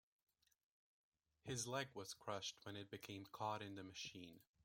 His leg was crushed when it became caught in the machine.